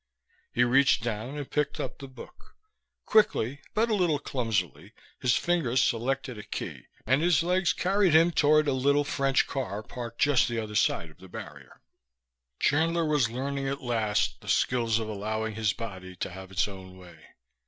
He reached down and picked up the book. Quickly, but a little clumsily, his fingers selected a key, and his legs carried him toward a little French car parked just the other side of the barrier. Chandler was learning at last the skills of allowing his body to have its own way.